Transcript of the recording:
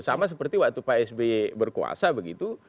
sama seperti waktu pak sby berkuasa begitu